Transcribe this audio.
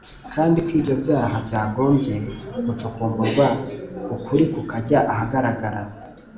kandi ko ibyo byaha byagombye gucukumburwa ukuri kukajya ahagaragara.